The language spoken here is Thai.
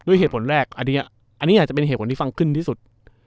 เหตุผลแรกอันนี้อยากจะเป็นเหตุผลที่ฟังขึ้นที่สุด